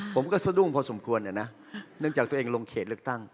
ผมก็สะดุ้งพอสมควรนะเนื่องจากตัวเองลงเขตเลือกตั้ง